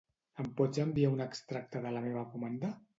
Em pots enviar un extracte de la meva comanda?